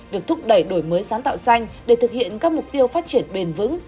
việc thúc đẩy đổi mới sáng tạo xanh để thực hiện các mục tiêu phát triển bền vững